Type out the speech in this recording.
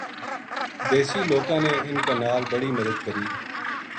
دیسی لوکاں نے اِنھ کے نال بڑی مدد کری